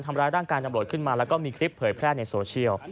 ทำร้ายร่างกายตำรวจขึ้นมาแล้วก็มีคลิปเผยแพร่ในโซเชียล